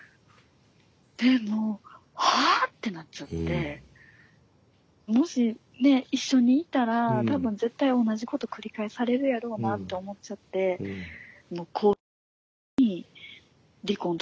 でもう「はぁ⁉」ってなっちゃって。もしねえ一緒にいたら多分絶対同じこと繰り返されるやろうなと思っちゃってもう勾留中に離婚届を持っていって。